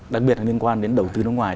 đặc biệt là liên quan đến đầu tư nước ngoài